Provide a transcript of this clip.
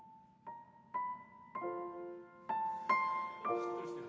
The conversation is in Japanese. しっとりしてる。